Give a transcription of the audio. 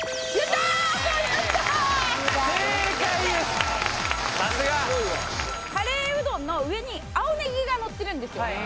さすがカレーうどんの上に青ネギがのってるんですよ